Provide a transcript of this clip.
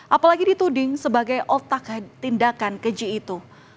apalagi dituding sebagai otak tindakan keji itu